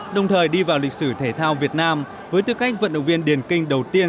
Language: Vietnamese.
đồng thời đi vào lịch sử thể thao việt nam với tư cách vận động viên điền kinh đầu tiên